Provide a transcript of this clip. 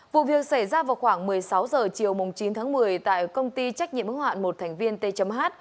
vụ việc xảy ra vào khoảng một mươi sáu h chiều chín một mươi tại công ty trách nhiệm hóa một thành viên t h